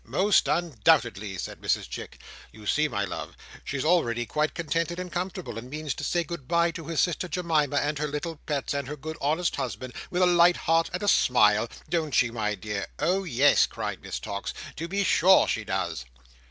"Most undoubtedly!" said Mrs Chick. "You see, my love, she's already quite contented and comfortable, and means to say goodbye to her sister Jemima and her little pets, and her good honest husband, with a light heart and a smile; don't she, my dear?" "Oh yes!" cried Miss Tox. "To be sure she does!"